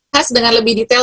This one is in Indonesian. khusus dengan lebih detail